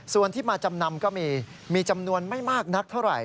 ส่วนที่มาจำนำก็มีมีจำนวนไม่มากนักเท่าไหร่